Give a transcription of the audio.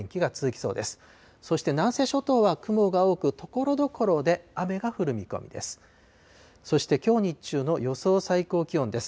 そして南西諸島は雲が多く、ところどころで雨が降る見込みです。